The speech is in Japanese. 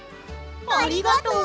ありがとう！